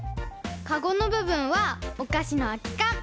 かごのぶぶんはおかしのあきかん！